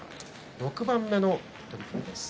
６番目の取組です。